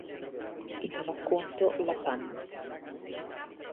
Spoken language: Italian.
Il racconto "La panne.